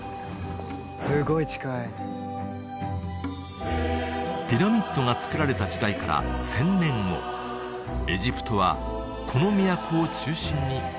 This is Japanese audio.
すごい近いピラミッドが造られた時代から１０００年後エジプトはこの都を中心に繁栄を遂げた